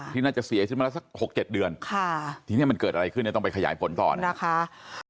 ที่น่าจะเสียขึ้นมาละ๖๗เดือนที่นี่มันเกิดอะไรขึ้นต้องไปขยายผลต่อนะคะ